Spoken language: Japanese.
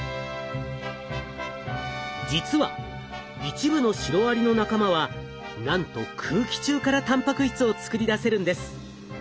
実は一部のシロアリの仲間はなんと空気中からたんぱく質を作り出せるんです。